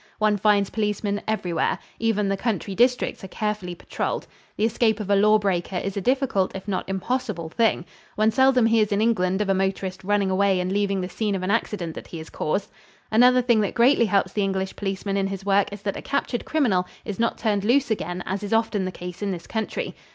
One finds policemen everywhere. Even the country districts are carefully patrolled. The escape of a law breaker is a difficult if not impossible thing. One seldom hears in England of a motorist running away and leaving the scene of an accident that he has caused. Another thing that greatly helps the English policeman in his work is that a captured criminal is not turned loose again as is often the case in this country.